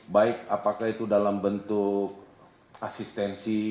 baik apakah itu dalam bentuk asistensi